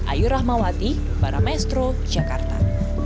ayur rahmawati baramestro jakarta